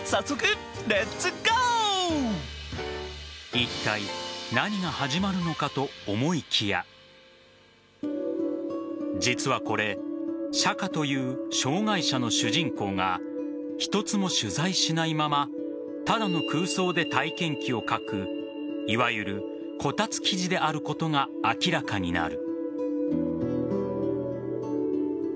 いったい何が始まるのかと思いきや実はこれ、釈華という障害者の主人公が一つも取材しないままただの空想で体験記を書くいわゆるこたつ記事であることが明らかになる。